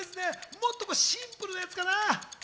もっとシンプルなやつかな。